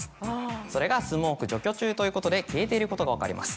それが「スモーク除去中」ということで消えていることが分かります。